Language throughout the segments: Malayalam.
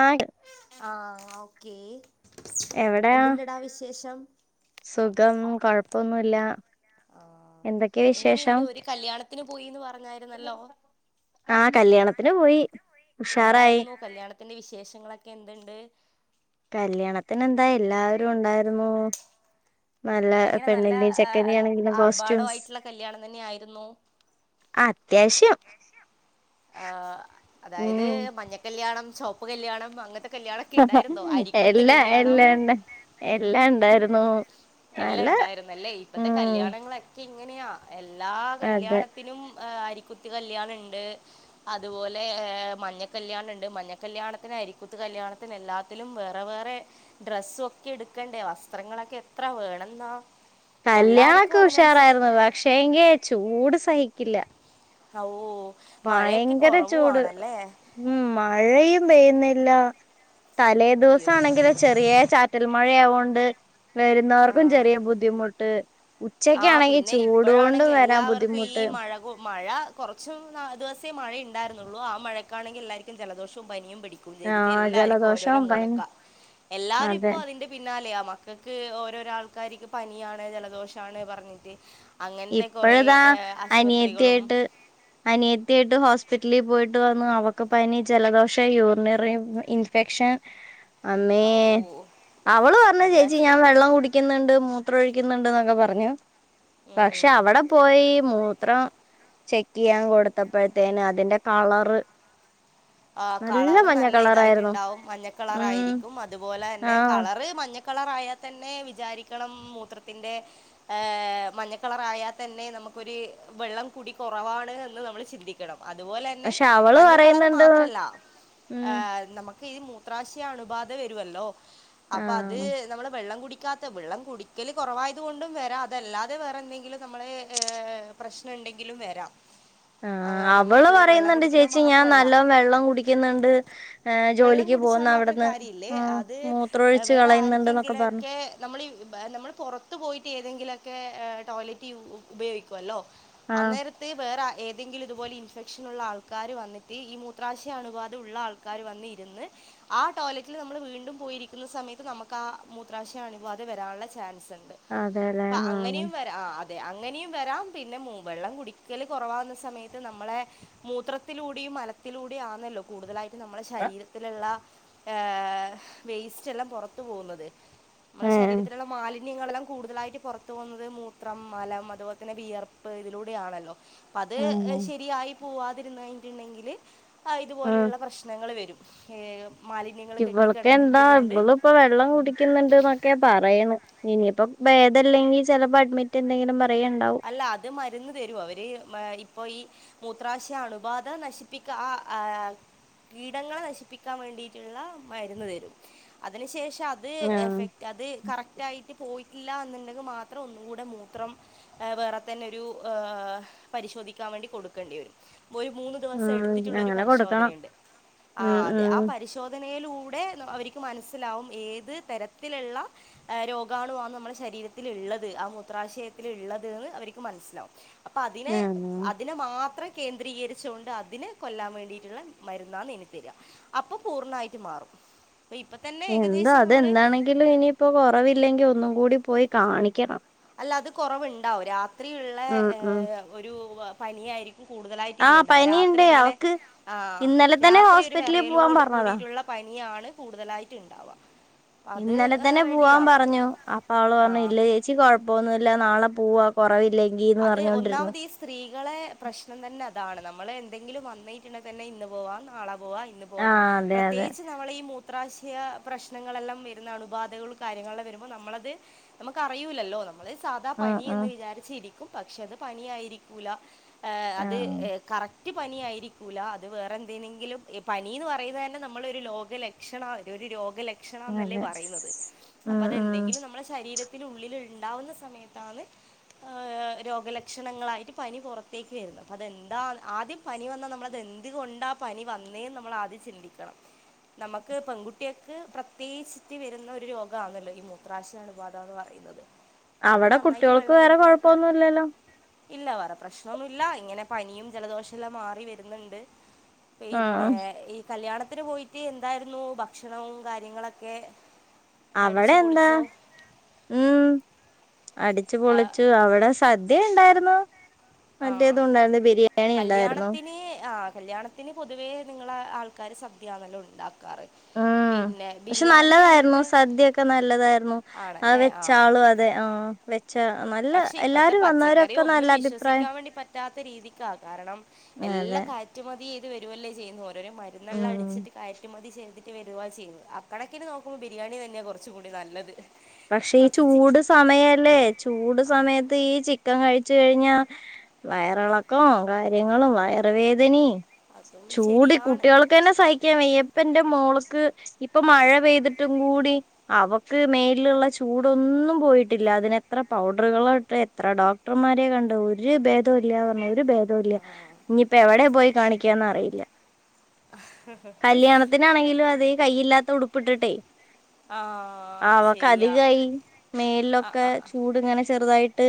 ആണ്ട് ആഹ് ഓക്കേ എവിടെയാ എന്ത്‌ണ്ടടാ വിശേഷം സുഖം കൊഴപ്പൊന്നുല്ല ആഹ് എന്തൊക്കെയാ എങ്ങനെയ്ണ്ട് വിശേഷം ഒരു കല്യാണത്തിന് പോയിന്ന് പറഞ്ഞായിരുന്നല്ലോ ആഹ് കല്യാണത്തിന് പോയി ഉഷാറായി [unintelligible] വിശേഷങ്ങളക്കെ എന്തുണ്ട് കല്ല്യാണത്തിന് എന്താ എല്ലാവാരും ഉണ്ടായിരുന്നു നല്ലത് എങ്ങനെ നല്ല പെണ്ണിന്റി ചെക്കന്റി ആണെങ്കിലും കോസ്റ്റ്യൂംസ് ആർഭാടമായിട്ടുള്ള കല്യാണം അത് അത്യാവശ്യം ആഹ് അതായത് ഉം മഞ്ഞ കല്യാണം ശോപ്പ് കല്യാണം അങ്ങനത്തെ കല്യാണൊക്കെ ഇണ്ടായിരുന്നോ അരിക്കുത്ത് കല്യാണം എല്ലാണ്ടായിരുന്നു എല്ല ഇണ്ടായരുന്നല്ലേ ഇപ്പത്തെ കല്യാണങ്ങളക്കെ ഇങ്ങനെയാ എല്ലാ അതെ കല്യാണത്തി ത്തിനും അരിക്കുത്തി കല്യാണണ്ട് അത്പോലെ ഏ മഞ്ഞ കല്യാണണ്ട് മഞ്ഞ കല്ല്യാണത്തിന് അരിക്കുത്ത് കല്യാണത്തിന് എല്ലാ ത്‌ലും വേറെ വേറെ ഡ്രസ്സും ഒക്കെ എടുക്കണ്ടേ വസ്ത്രങ്ങളൊക്കെ എത്രാ വേണംന്നാ കല്ല്യാണൊക്കെ ഉശാറായിരുന്നു പക്ഷെ എങ്കി ചൂട് സഹിക്കില്ല അഹ് ഓഹ് മഴൊക്കെ ഭയങ്കര ചൂട് കൊറവുണല്ലേ ഉം മഴയും പെയ്യുന്നില്ല തലേ ദിവസം അയ്യോ ആണെങ്കിലൊ ചെറിയ ചാറ്റ റ്റൽമഴ ആവോണ്ട് വരുന്നവർക്കും ചെറിയ ബുദ്ധിമുട്ട് ആഹ് ഉച്ചക്കാണെങ്കി പിന്നെ ചൂട് കൊണ്ട് ഇപ്പഴാണെങ്കി വരാൻ എല്ലാവർക്കും ഈ ബുദ്ധിമുട്ട് മഴ കൊ മഴ കൊറച്ചും നാ ദിവസേ മഴ ഇണ്ടായിരുന്നുള്ളൂ ആ മഴക്കാണെങ്കി എല്ലാവർക്കും ജലദോഷവും പനിയും പിടി പുതിയത്ക്ക് ആഹ് എല്ലാര്ക്കും ജലദോഷം ഓരോരോ പനി മൂലക്കാ എല്ലാരും അതെ ഇപ്പൊ അതിന്റെ പിന്നാലയാ മക്കക്ക് ഓരോരോ ആൾക്കാരിക്ക് പനിയാണ് ജലദോഷാണ് പറഞ്ഞിട്ട് അങ്ങൻതെ കൊറേ ഇപ്പഴതാ ഏ ആശുപത്രികളും അനിയത്തിയിട്ട് ഹോസ്പിറ്റലിൽ പോയിട്ട് വന്നു അവക്ക് പനി ജലദോഷ യൂറിനറി ഇൻഫ്ഇൻഫെക്ഷൻ ഉ [inaudible] അമ്മേ അവള് പറഞ് എന്താ ചേച്ചി ചെ- ഞാൻ വെള്ളം കുടിക്ക് ക്കുന്നുണ്ട് മൂത്രംഒഴിക്കുന്നുണ്ട് എന്നൊക്കെ പറഞ്ഞു പക്ഷേ ഉം അവിട പോയി മൂത്രം ചെക്ക് ചെയ്യാൻ കൊടുത്തപ്പഴത്തേന് അതിന്റെ കളറ് ആഹ് കളറ് മഞ്ഞ നല്ല കളറായിരുന്നു ഇതായിട്ട്ണ്ടാവും ഉം മഞ്ഞക്കളറായിരിക്കും അതുപോലെ തന്നെ ആഹ് കളറ് മഞ്ഞക കളറായാ തന്നെ വിചാരിക്കണം മൂത്രത്തിന്റെ ഏഹ് മഞ്ഞക്കളറായാതന്നെ നമുക്കൊരു വെള്ളം കുടി കുറവാണ് എന്ന് നമ്മൾ ചിന്തിക്കും ണം അതുപോലെ തന്നെ പക്ഷെ അവള് മഞ്ഞ കളർ പറയുന്നുണ്ട് മാത്രല്ല ഉം ഏ നമുക്ക് ഇപ്പ ഈ മൂത്രാശയ അണുബാധ വരുവ ല്ലോ അപ്പൊ അത് ആഹ് നമ്മള് വെള്ളം കുടിക്കാത്ത വെള്ളം കുടിക്കല് കുറവായത് കൊണ്ടും വരാം അതല്ലാതെ വേറെ എന്തെങ്കിലും നമ്മളെ ഏഹ് പ്രശ്നമുണ്ടെങ്കിലും വരാ ആ അവള് പറയുന്നുണ്ട് ചേച്ചി ഞാൻ മാത്രമല്ല നല്ലോം വെള്ളം കുടിക്കുന്നുണ്ട് ഏഹ് വെള്ളം ജോലിക്ക് കുടിച്ചാ പോകുന്ന മാത്രം അവിടുന്ന് കാര്യഇല്ലേ ആഹ് അത് മൂത്രൊഴിച്ച് വേറെ കളയുന്നുണ്ട്ന്നൊക്കെ പറഞ്ഞു ആര്ക്കെങ്കിലൊക്കെ നമ്മളി ഇബ് നമ്മൾ പുറത്ത് പോയിട്ട് ഏതെങ്കിലൊക്കെ ടോയ്ലറ്റ് യു ഉപയോഗിക്കുവല്ലോ ആഹ് അന്നേരത്തെ വേറെ ആ ഏതെങ്കിലും ഇതുപോലെ ഇൻഫെക്ഷൻ ഉള്ള ആൾക്കാര് വന്നിട്ട് ഈ മൂത്രാശയ അണുപാത ഉള്ള ആൾക്കാര് വന്ന് ഇരുന്ന് ആ ടോയ്ലറ്റിൽ നമ്മള് വീണ്ടും പോയിരിക്കുന്ന സമയത്ത് നമ്മക്കാ മൂത്രാശയണ്പാത വരാഉള്ള ചാൻസ് ഉണ്ട് അതെല്ലേ അപ്പ ആഹ് അങ്ങനെയും വരാ ആ അത് അതെ അങ്ങനെയും വരാം പിന്നെ മു വെള്ളം കുടിക്കല് കുറവാകുന്ന സമയത്ത് നമ്മളെ മൂത്രത്തിലൂടെയും മലത്തിലൂടെ ആന്നാല്ലോ കൂടുതലായിട്ട് നമ്മടെ ശരീരത്തിലുള്ള ഏ വേസ്റ്റ് എല്ലാം പുറത്തു പോന്നത് നമ്മുടെ ഏഹ് ശരീരത്തിലുള്ള മാലി ന്യങ്ങളെല്ലാം കൂടുതലായിട്ട് പുറത്തു പോന്നത് മൂത്രം, മലം, അതുപോലെ തന്നെ വിയർപ്പ് ഇതിലൂടെ ആണല്ലോ അപ്പ അത് ആഹ് ശരിയായി പോവാതിരന്ന് കഴിഞ്ഞിട്ടുണ്ടെങ്കില് ആ ആഹ് ഇതുപോലെഉള്ള പ്രശ്നങ്ങൾ വരും ഏ മാലി ഇവൾക്കെന്താ ഇവള ഇപ്പൊ വെള്ളം കുടിക്കുന്നുണ്ട്ന്നൊക്കെയ പറയന്ന് ഇനിപ്പോ ഭേദല്ലെങ്കി ചിലപ്പോ അഡ്മിറ്റ് എന്തെങ്കിലും പറയണ്ടാവും അല്ല അത് മരുന്ന് തരും അവര് മാ ഇപ്പോ ഈ മൂത്രാശയ അണുബാധ നശിപ്പിക്ക ആഹ് ആഹ് കീടങ്ങളെ നശിപ്പിക്കാ വേണ്ടിട്ടുള്ള മരുന്ന് തരും അതിനുശേഷ അത് ആഹ് എഫക്ട് അത് കറക്റ്റ് ആയിട്ട് പോയിട്ടില്ല എന്നുണ്ടെങ്കി മാത്രം ഒന്നുകൂടെ മൂത്രം ഏ വേറെ തന്നെ ഒരു ആ പരിശോധിക്കാൻ വേണ്ടി കൊടുക്കേണ്ടി വരും ഒരു മൂന്ന് ദിവസ ഉം എടുത്തിട്ടുള്ള ഒരു അങ്ങനെ കൊടുക്കണം പരിശോധനഉണ്ട് ആ ഉം അതെ ഉം ആ പരിശോ ധനയിലൂടെ എന്താ അവര്ക്ക് മനസ്സിലാവും ഏത് തരത്തിലുള്ള ആ രോഗാണു ആ നമ്മടെ ശരീരത്തിൽ ഉള്ളത് ആ മൂത്രാശയത്തില് ഉള്ള തന്ന് അവര്ക്ക് മനസിലവും അപ്പ അതിനെ ആണോ അതിനെ മാത്രെ കേന്ദ്രീകരിച്ചു കൊണ്ട് അതിനെ കൊല്ലാൻ വേണ്ടിട്ടുള്ള മരുന്നാന്ന് ഇനി തരിക അപ്പൊ പൂർണ്ണായിട്ട് മാറും ഇപ്പ എന്താ അതെന്താണെങ്കിലും ഇനിയിപ്പോ കൊറവില്ലെങ്കിൽ ഒന്നും കൂടി പോയി കാണിക്കണം അല്ല അത് കുറവുണ്ടാവും രാത്രിയുള്ള ഉം ഉം ഒരു പനിയായിരിക്കും കൂടുതലായിട്ട് ആ ഇതിനുണ്ടാവും പനിയുണ്ട് രാത്രി ഇങ്ങനെ അവക്ക് ആ ഇന്നലെ തന്നെ രാത്രി ഒരു ഹോസ്പിറ്റലിൽ പോവാൻ വിറയലോട് പറഞ്ഞതാ കൂടിട്ടുള്ള പനിയാണ് കൂടുതലായിട്ടും ഉണ്ടാവുക അപ്പം അത് ഇന്നലെ തന്നെ പോവാൻ റെഡിയാവും പറഞ്ഞു അപ്പ അവള് ആ പറഞ്ഞുല്ലേ ച്ചി കുഴപ്പമൊന്നുമില്ല നാളെ പോവാ കുറവില്ലേ അത് ഒന്നാമത് ഇസ് സ്ത്രീകളെ പ്രശ്നം തന്നെ അതാണ് നമ്മൾ എന്തെങ്കിലും വന്നിട്ടുണ്ടെങ്കിൽ തന്നെ ഇന്ന് പോവാ നാളെ പോവാ ഇന്ന് ആ പോല അതെ അതെ പ്രത്യേകിച്ച് നമ്മള ഈ മൂത്രാശയ പ്രശ്നങ്ങളെല്ലാം വരുന്ന അണുബാധകൾും കാര്യങ്ങളെല്ലാം വരുമ്പോൾ നമ്മളത് നമുക്ക അറിയുല്ലല്ലോ നമ്മള് സാധാ ഉം പനി ഉം എന്ന് വിചാരിച്ചിരിക്കും പക്ഷെ അത് പനായിരിക്കൂല ആ അത് കറക്റ്റ് പനി ആയിരിക്കൂല അത് വേറെ എന്തിനിങ്കിലും പനിന്ന് പറയുന്നത് തന്നെ നമ്മള ഒരു രോഗലക്ഷണം ഒരു രോഗലക് ക്ഷണം എന്നല്ലേ അതെ പറയുന്നത് അപ്പ ഉം ഉം അതെന്തെങ്കിലും നമ്മ ളെശരീരത്തിനുള്ളിൽ ഉണ്ടാവുന്ന സമയത്താണ് രോഗലക്ഷണങ്ങളായിട്ട് പനി പുറത്തേക്ക് വരുന്നു അപ്പം അതെന്താ ആദ്യം പനി വന്നാൽ നമ്മളത് എന്ത് കൊണ്ടാ പനി വന്നേ നമ്മൾ ആദ്യം ചിന്തിക്കണം നമുക്ക് പെൺകുട്ടിയക്ക്െ പ്രത്യേകിച്ചിട്ട് വരുന്ന ഒരു രോഗമാണല്ലോ ഈ മൂത്രാശാ അണു ബാധ എന്ന് പറയുന്നത് [inaudible] അവിടെ നന്നായിട്ട് കുട്ടികൾക്ക് വെള്ളം വേറെ കുടിക്കാൻ വേണ്ടി പറഞ്ഞു കൊഴപ്പൊന്നുംല്ലല്ലോ ഇല്ല വേറെ പ്രശ്നമൊന്നുല്ല ഇങ്ങനെ പനിയും ജലദോഷം എല്ലാം മാറി വരുന്നുണ്ട് ആ പിന്നെ ഈ കല്യാണത്തിന് പോയിട്ട് എന്തായിരുന്നു ഭക്ഷണവും കാര്യങ്ങളൊക്കെ അവിടെ അടിച്ചു എന്താ പൊളിച്ചോ ഉ അടിച്ചു ആ, പൊളിച്ചു അവിടെ സദ്യ ഉണ്ടായിരുന്നു ആഹ് മറ്റേതും ആഹ് ഉണ്ടായിരുന്നു ബിരിയാണി ഉണ്ടായിരുന്നു കല്യാണത്തിന് ആ കല്യാണ ത്തിന് പൊതുവേ നിങ്ങള ആൾക്കാര് സദ്യയാണല്ലോ ഉണ്ടാക്കാറ് ആഹ് പിന്നെ പക്ഷെ ബിരിയാണി നല്ലതായിരുന്നു അങ്ങനത്തെ സദ്യൊക്കെ നല്ലതായിരുന്നു ആ ആണല്ലേ വെച്ച ആഹ് ആളും അ അതെ ആഹ് പക്ഷെ ഇപ്പത്തെ പച്ചക്കറി ഒന്നും നല്ല അഭിപ്രായം വിശ്വസിക്കാൻ വേണ്ടി പറ്റാത്ത രീതിക്കാ കാരണം എല്ലാ അതെ കയറ്റുമതീത് വരുവല്ലേ ചെയ്യുന്നു ഓരോരോ മരുന്നെള്ളാ ഉം അടിച്ചിട്ട് കയറ്റുമതി ചെയ്തിട്ട് റ്റി വരുവാ ചെയ്യ്ന്നത് അക്കണക്കിന് നോക്കുമ്പോ ബിരിയാണി തന്നെ കുറച് കൂടി നല്ലത് പക്ഷെ ഈ കുറച്ച് ചി ചൂട് സമയല്ലേ ചൂട് സമയത്ത് ഈ ചി ചിക്കം കഴിച് കഴിഞ്ഞാ വയറിളക്കോം കാര്യങ്ങളും വയറ വേദനി അതും ചൂട് ശരിയാണ് കുട്ട്യാൾക്കെന്നെ സഹിക്കാവെയ്യ ഇപ്പന്റെ മോള്ക്ക് ഇപ്പൊ മഴ പെയ്തിട്ടും കൂടി അവക്ക് മേ ല്ള്ള ചൂടൊന്നും പോയിട്ടില്ല അതിനെത്ര പൗഡർകളാഇട്ടേ എത്ര ഡോക്ടർമാരെ കണ്ടു ഒരി ഒരു ഭേദോല്ലാ പറഞ്ഞ ഒരിഭ ദോല്ലാ ഇനിപ്പെ എവിടെ പോയി കാണിക്കാന്നറിയില്ല കല്യാണത്തിന് ണാണെങ്കിലും അത് ഈ കയ്യില്ലാത്ത ഉടുപ്പിട്ടിട്ടെ ആഹ് ശരി അതികായി മേലിലൊക്കെ ചൂട് ഇങ്ങനെ ചെറുതായിട്ട്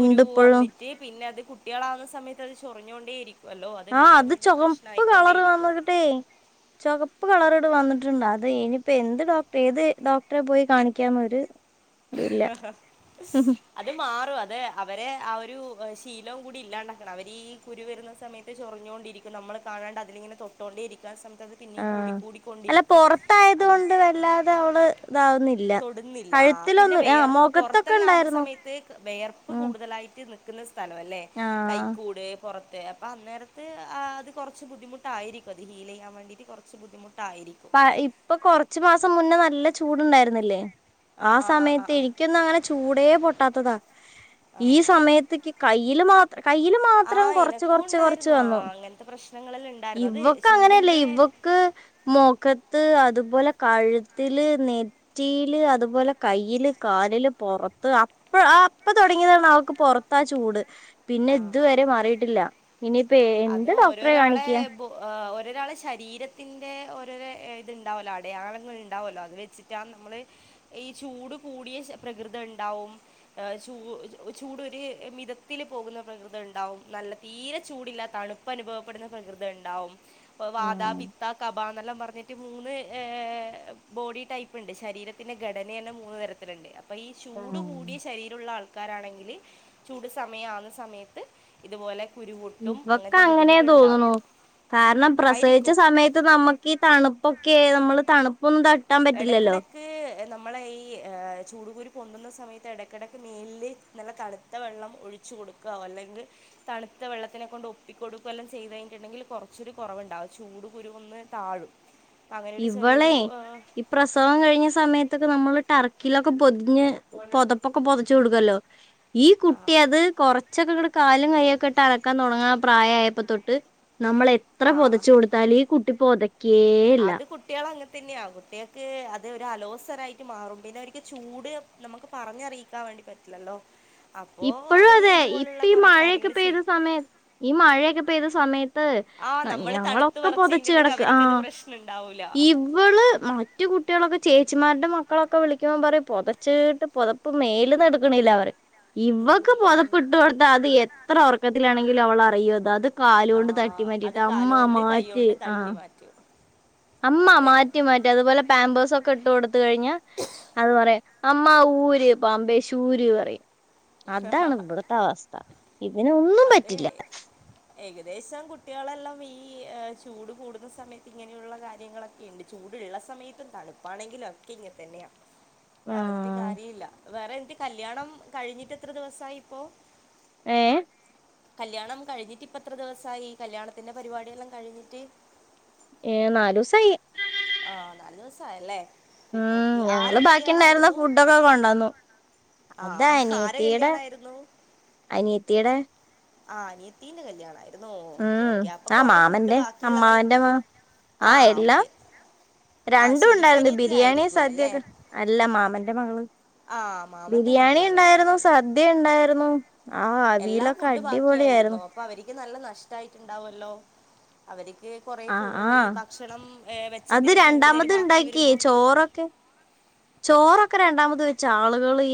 ഇണ്ട് ഇപ്പോഴും തീ പിന്നെ അത് കുട്ട്യാള ആവുന്ന സമയത്ത് അത് ചൊറിഞ്ഞൊണ്ടേ ഇരിക്കും ആഹ് അത് ചുവപ്പ് കളറ് ഇരിക്കും വന്നിട്ടെയ് ചൊകപ്പ് കളറ്ട് വന്നിട്ട്ണ്ട് അതേനിപ്പോ എന്ത് ഡോക്ടർ ഏത് ഡോക്ടറെ പോയി കാണിക്കാ ന്നഒരു ഇഹ് ഹ ഹ അത് മാറും അതെ അവരെ ആ ഒരു ശീലവും കൂടി ഇല്ലാണ്ടാക്കണം അവര് ഈ കുരു വരുന്ന സമയത്ത് ചൊറിഞ്ഞോകൊണ്ടിരി നമ്മള് കാണാണ്ട അതിലിങ്ങനെ തൊട്ടോണ്ടേ ഇരിക്കാ ആ സമയത്ത് അത് പിന്നെയും കൂട ആഹ് കൂടിക്കൊണ്ടിരിക്കും അത് വല്ലാത അവള് ഇതാവുന്നില്ല തൊടുന്നില്ല ആഹ് പിന്നെ കഴുത്തിലൊന്നും ആ വെയർപ്പ് മുഖത്തൊക്കെ പൊറത്തെല്ല ആവുന്ന ഉണ്ടായിരുന്നു സമയത്ത് വെയർപ്പ് ഉം കൂടുതലായിട്ട് നി ന്ന സ്ഥലം അല്ലേ ആഹ് കൈക്കൂട് പുറത്തെ അപ്പ അന്നേരത്ത് ആഹ് അത് കുറച്ച് ബുദ്ധിമുട്ടായിരിക്കും അത് ഹീൽ ചെയ്യാൻ വേണ്ടിയിട്ട് കുറച്ച് ബുദ്ധിമുട്ടായിരിക്കും. പ ഇപ്പൊ കൊറച്ചു മാസം മുന്നേ നല്ല ചൂടുണ്ടായിരുന്നില്ലേ ആ ആഹ് ആഹ് ആഹ് സമയത്ത് ആഹ് ക്ക് അങ്ങനെ ചൂടേ പൊട്ടാത്തതാ ആഹ് ഈ ആഹ് സമയത്ത്ക്ക് കയ്യില് മാത്ര കൈ മാത്രം ആഹ് കൊറച്ച് എനക്കും കൊറച്ച് കൊറച്ച് ഉണ്ടായിരുന്നു ആ വന്നു അങ്ങനത്തെ പ്രശ്നങ്ങളെല്ലാം ഉണ്ടായിരുന്നു അത് ഇവൊക്ക ചൂടിന്റെ അങ്ങനെയല്ലേയ് ഇവക്ക് മൊഖത്ത് അതുപോലെ കഴ്ത്തില് നെ റ്റില് അതുപോലെ കയ്യില് കാലില് പൊറത്ത് ഇപ്പയാ ആഹ് ഇപ്പൊ തൊടങ്ങിയതാണ് അവൾക്ക് പൊറത്താ ചൂട്. പിന്നെ ആഹ് ഇതുവരെ മാറിയിട്ടില്ല ഇനിയപ്പോ എന്ത് ഡോക്ടറെ കാണിക്കാ പു ഹഹ് ഓരരാളെ ശരീരത്തിന്റെ ഓരോരെ ഏഹ് ഇത് ഇണ്ടാവൊല്ലോ അടയാളങ്ങൾ ഇണ്ടാവൊല്ലോ അത് വെച്ച് [unintelligible] നമ്മള് ഈ ചൂട് കൂടിയ ശ് പ്രകൃതം ഇണ്ടാവും. ഹ് ചൂ ചൂടൊ ര് മിതത്തില് പോകുന്ന പ്രകൃതം ഇണ്ടാവും നല്ല തീരെ ചൂടില്ലാത്ത തണുപ്പ് അനുഭവപ്പെടുന്ന പ്രകൃതണ്ടാവും ഇപ്പ വാത ഉം പിത്ത കബ എന്നെല്ലാം പറഞ്ഞിട്ട് മൂന്ന് ഹ് ബോഡി ടൈപ്പ് ഇണ്ട് ശരീരത്തിന്റെ ഘടനന്നെ മൂന്ന് തരത്തില്ണ്ട് പ്പൊ ഈ ചൂട് കൂടിയ ശരീരള്ള ആൾക്കാരാണെങ്കില് ചൂട് സമയം ആവുന്ന സമയത്ത് ഇതുപോലെ കുരു പൊട്ടും ക്കങ്ങനെ തോന്നുണു കാരണം പ്രസവിച്ച ആയിരിക്കും സമ സമയത്ത് നമുക്ക് ഈ തണുപ്പൊക്കെ നമ്മള് തണുപ്പൊന്നും ത എടക്കെടക്ക് നമ്മളെ ഈ ഏ ചൂടുകൂരു പൊന്തുന്ന സമയത്ത് എടയ്ക്കെടക്ക് മേൽല് നല്ല തളുത്ത വെള്ളം ഒഴിച്ച് കൊടുക്ക അല്ലെങ്കിൽ തണുത്ത വെള്ളത്തിനെകൊണ്ട് ഒപ്പിക്കൊടുക്കുവല്ലാം ചെയ്ത് കഴിഞ്ഞിട്ടിണ്ടെങ്കിൽ കുറച്ചൊരു കൊറവ്ണ്ടാവും ചൂട് കുരുവൊന്ന് താഴും. [inaudible] ചെറിയൊരു ഇവളെ ഏഹ്, ഈ പ്രസവം കഴിഞ്ഞ സമയത്തൊക്കെ നമ്മള് ടർക്കിയിലൊക്കെ പൊതിഞ് പൊതപ്പൊക്കെ പൊതച്ചു കൊടുക്കോല്ലോ ഈ കുട്ടി അത് കുറച്ചൊക്കെ ഇങ്ങ്ട് കാലും കയൊക്കെ ഇട്ട് അനക്കാൻ തൊടങ്ങ്ണ പ്രായമായപ്പോതൊട്ട് നമ്മളെ എത്ര ആ ആ പൊതച്ചു കൊടുത്താലും ഈ കുട്ടി പൊത അത് കുട്ടിൾ അങ്ങെൻ തന്നെയാ കുട്ടിൾക്ക് അത് ഒരു അലോസരായിട്ട് മാറും പിന്നെ അവര്ക്ക് ചൂട് നമ്മുക്ക് പറഞ്ഞറിയിക്കാൻ വേണ്ടി പറ്റ്ല്ലല്ലോ ഇപ്പഴും അതെ ഇപ്പ ഈ മഴയൊക്കെ കാര്യങ്ങള് പെയ്ത ചെയ്യും സമയത്ത് ഈ മഴയെക്കെ പെയ്ത സമയത്ത് ആഹ് ന- നമ്മള് തണ്ത്ത് ഞങ്ങളൊക്കെ വെറെച്ച് പൊതച്ച് ഇര്ന്ന്ണ്ടെങ്കിൽ കെടക്ക അവർക്കത് ആഹ് പ്രശ്നം ണ്ടാവൂല. ഇവള് മറ്റു കുട്ടികളൊക്കെ ചേച്ചിമാര്ടെ മക്കളൊക്കെ വിളിക്കുമ്പോ പറയും പൊതച്ച്ട്ട് പൊതപ്പ് മേല്ന്ന് എടുക്കണില്ലാ പറയും ഇവക്ക് പൊതപ്പിട്ട് കൊടുത്ത അത് എത്ര ഉറർക്കത്തിലാണെങ്കിലും അവളറിയു അത് അത് കാല് ആ കൊണ്ട് തട്ടി അത് മാറ്റിട്ട് അമ്മ കാലോണ്ട് കൈ മാറ്റ് കൊണ്ട് ആഹ് തട്ടി മാറ്റും മ്മ അതെ മാറ്റ് മാറ്റ് അതുപോലെ പാമ്പേഴ്സോക്കെ ഇട്ട് കൊടുത്ത് കഴിഞ്ഞാ അത് പറയാ അമ്മ ഊര് പാമ്പേശ് ഊര് പറയും. അതാണ് ഇവ്ടുത്ത അവസ്ഥ ഇതിനെ ഒന്ന് അതെ ഏകദേശം കുട്ടികളെല്ലം ഈ ചൂട് കൂടുന്ന സമയത്ത് ഇങ്ങനെയുള്ള കാര്യങ്ങളൊക്കെ ഇണ്ട്. ചൂടുള്ള സമയത്തും തണുപ്പാണെങ്കിലും ഒക്കെ ഇങ്ങെൻ തന്നെയാ പറഞ്ഞിട്ട് ആഹ് കാര്യല്ല വേറെ എന്ട്ട് കല്യാണം കഴിഞ്ഞിട്ട് എത്ര ദിവസായി ഇപ്പൊ ഏഹ് കല്യാണം കഴിഞ്ഞിട്ട് ഇപ്പത്ര ദിവസായി? കല്യാണത്തിന്റെ പരിപാടിയെല്ലാം കഴിഞ്ഞിട്ട് ഏഹ് നാലുസായി ആഹ് നാല് ദിവസ ായല്ലേ ഓക്കെ ആരെ കല്യാണായിരുന്നു? ഇപ്പോ കൊണ്ടൊന്നു ആഹ് ആരെ കല്യാണായിരുന്നു? അനിയത്തിയുടെ ആഹ് അനിയത്തീന്റെ കല്യാണായിരു ഉം ആ മാമന്റെ ബാക്കിയുള്ളതെല്ലാം അമ്മാവന്റെ മാ ആ എല്ലാം ആ രണ്ടും ഉണ്ടായിരുന്നു ശരിക്കനിയത്തി ബിരിയാണി ആയിരിക്കൂലല്ലേ സദ്യയൊക്കെ അല്ല മാമന്റെ മകൾ ആ മാമന്റെ ബിരിയാണി മകളെ ണ്ടായിരുന്നു, കല്യാണായിരുന്നു സദ്യ ണ്ടായിരുന്നു, ആ അവിയെലൊക്കെ അടിപൊളിയ ആയിരുന്നു. അപ്പോ അവര്ക്ക് നല്ല നഷ്ടായ്ട്ടുണ്ടാവല്ലോ അവര്ക്ക് കൊറെേ ആ ഫു ആ ഈ ഭക്ഷണം ഏ അത് വെച്ചതിലും കൂടുതൽ ബാക്കി രണ്ടാമത്ണ്ടാക്കിയേ വരുമ്പോ ചോറൊക്കെ ചോറൊക്കെ രണ്ടാമത് വെച്ച ആള്കളീ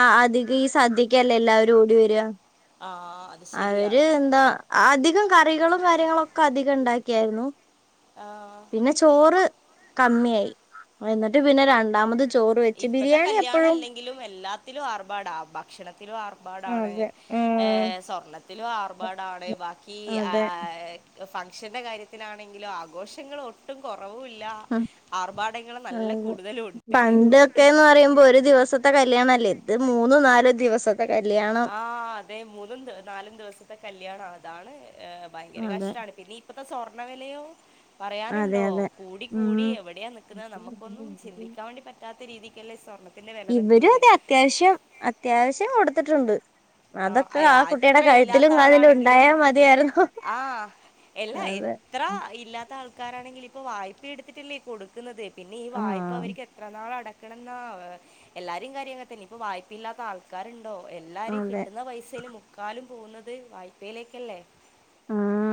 ആഹ് അധിക ഈ സദ്യക്കല്ലേ എല്ലാരും ഓടിവര്യ ആ അത് അവര് ശരിയാണ് എന്താ അധികം കറികളും കാര്യങ്ങളൊക്കെ അധികണ്ടാക്കിയാര്ന്നു ആഹ് പിന്നെ ചോറ് കമ്മിയായ് എന്നിട്ട് പിന്നെ രണ്ടാമത് ചോറ് വെച്ച് ബിരിയാണിയപ്പഴും ത്ത്ലും എല്ലാത്ത്ലും ആർഭാട ഭക്ഷണത്ത്ലും ആർഭാടാണ് അതെ ഉം ഏഹ് സ്വർണത്ത് ത്ത്ലും ആർഭാടാണ് ബാക്കി അതെ ആഹ്ഹ്ഹ് ന്തൊഫംഗ്ഷന്റെ കാര്യത്ത്ലാണെങ്കിലോ ആഘോഷങ്ങളൊ ട്ടും കൊറവൂല്ലാ ഉം, ആർഭാടങ്ങള് നല്ല കൂടുതലും ഉണ്ട് ത്തെന്ന് പറയുമ്പോ ഒര് ദിവസത്തെ കല്യാണല്ലേ ഇത് മൂന്ന് നാല് ദിവസത്തെ കല്യാണാ ആഹ് അതെ മൂന്നും ദ് നാലും ദിവസത്തെ കല്യാണ അതാണ് ഏഹ് ഭയങ്കര അതെ കഷ്ടാണ് പിന്നീ പ്പത്തെ സൊർണ്ണ വെലയോ അതെ പറയാന്ണ്ടോ അതെ കൂടികൂടി ഉം എവ്ടെയാനിക്ക്ന്നത് നമ്മക്കൊന്നും ചിന്തിക്കാൻ വേണ്ടി പറ്റ് റ്റാത്ത രീതിക്കല്ലെ സൊർണ്ണം ഇവരു അതെ അത്യാവശ്യം അത്യാവശ്യം കൊടുത്തിട്ട്ണ്ട് ആ അതൊക്കെ അയ ആഹ് കുട്ടീടെ അത്ര ഇല്ലാത്ത കഴ്ത്ത്ലും ആളാണെങ്കിലും കാതിലുംണ്ടായാ മതിയാര്ന്ന് എല്ലാ എത്ര ഇല്ലാത്ത ആൾക്കാരാണെങ്കിലിപ്പൊ വായ്പ്പെടുത്തിട്ട്ല്ലേ ഈ കൊടുക്ക്ന്നത് പിന്നെ ഈ വായ്പ ആഹ് അവര്ക്ക് എത്ര നാൾ അടക്കണ്ന്നാ ഏഹ് എല്ലാരേം കാര്യങ്ങൻതന്നാ ഇപ്പ വായ്പ്പ്ല്ലാത്താള് ക്കാരുണ്ടോ എല്ലാര് ഈ അതെ കിട്ട്ന്ന പൈസെല് മുക്കാലും പോക്ന്നത് വായ്പയ്ലേക്കല്ലേ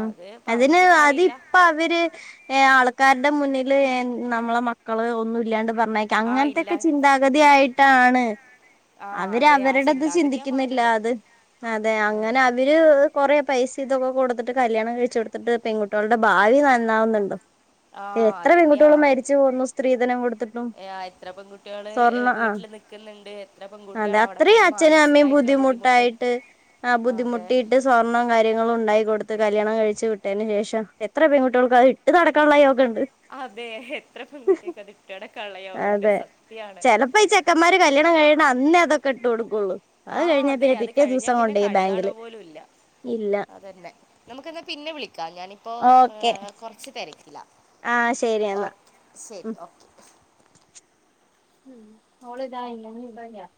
അതെ പറഞ്ഞിട്ട് കാര്യല്ല ഇവര് ഏഹ് ആള്ക്കാര്ടെ മുന്നില് എൻ നമ്മളെ മക്കള് ഒന്നുല്ലാണ്ട് പറഞ്ഞയ് ആ ഇല്ല ക്കങ്ങ്നത്തെ‌ക്കെ ചിന്താഗതിയായ്ട്ടാണ് ആ അവര് അതെ ആ അവര്ടത് ചിന്താഗതിയാ മാറ്റേണ്ടത് ചിന്തിക്ക്ന്ന്ല്ലത് അതെ അങ്ങനെ അവര് കൊറെ പൈസതൊക്കെകൊ കൊട്ത്തിട്ട് കല്യാണം കഴിച്ച് കൊട്ത്തിട്ട് പെൺകുട്ട്യോൾടെ ഭാവി നന്നാവുന്ന്ണ്ടോ ആ എത്ര അതന്നെയാ പെൺകുട്ട്യോള് മരിച്ച് പോന്നു സ്ത്രീധനം കൊടുത്ത്ട്ടും എത്ര പെൺകുട്ടികള് സൊർണ്ണ ആഹ് വീട്ടിൽ നിൽക്കുന്നുണ്ട് എത്ര അതെ പെൺകുട്ടികൾ അവിടെ അത്രയും പോയിട്ട് അച്ഛനും അമ്മയും മാനസികമായിട്ടുള്ള ബുദ്ധിമുട്ട് ബുദ്ധിമുട്ടായ്ട്ട് ആഹ് അതെ ബുദ്ധിമുട്ടിട്ട് സ് സൊർണ്ണോം കാര്യങ്ങളുണ്ടായ് കൊടുത്ത് കല്യണം കഴിച്ച് വിട്ടേന് ശേഷം എത്ര പെൺകുട്ട്യോൾക്ക് അത്ട്ട് നടക്കാന്ള്ള യോഗണ്ട് അതെ എത്ര പെൺകുട്ട്യക്ക് അത്ട്ട് നടക്കാന്ള്ള യോഗണ്ട് സത്യാണ് ഇപ്പ ഈ ചെക്കമ്മാര് കല്യാണംകഴ്യണ അന്നേ അതക്കെട്ട്കൊട്ക്ക്വള്ള് ആഹ് അതെ അത് കഴിഞ്ഞ പിന്നെ കണികണ്വാ ബാങ്കില് പോലുംല്ല ഇല്ല അതെന്നെ നമുക്കന്നാ പിന്നെ വിളിക്കാം ഞാനിപ്പോ ഓക്കെ ആഹ് കൊറച്ച് തെരക്ക്ലാ ആ ശരി എന്നാ ഓഹ് ശെരി ഉം ഓക്കെ മ്മ് ഓള് ദാ [unintelligible]